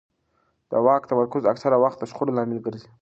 د واک تمرکز اکثره وخت د شخړو لامل ګرځي